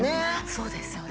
そうですよね。